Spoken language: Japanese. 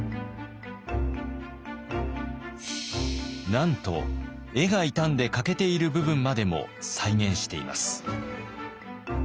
なんと絵が傷んで欠けている部分までも再現しています。